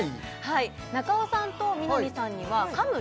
中尾さんと南さんには「噛む」